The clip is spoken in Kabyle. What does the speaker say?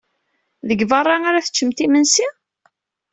Deg beṛṛa ara teččemt imensi?